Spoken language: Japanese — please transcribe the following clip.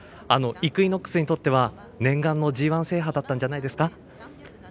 イクイノックスにとっては念願のＧＩ制覇だったんじゃないですか。